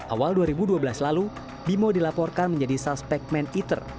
awal dua ribu dua belas lalu bimo dilaporkan menjadi suspect man eater